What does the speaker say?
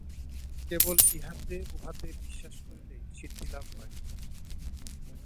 কেবল ইহাতে উহাতে বিশ্বাস করিলেই সিদ্ধিলাভ হয় না।